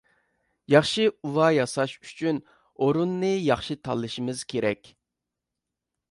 -ياخشى ئۇۋا ياساش ئۈچۈن ئورۇننى ياخشى تاللىشىمىز كېرەك.